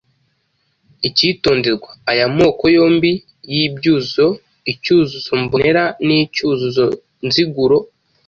Ikitonderwa: Aya moko yombi y’ibyuzuzo icyuzuzo mbonera n’icyuzuzo nziguro